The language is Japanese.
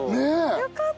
よかった。